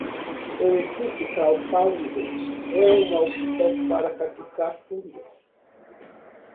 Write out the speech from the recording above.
O equity crowdfunding é uma opção para captar fundos.